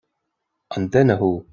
An duine thú?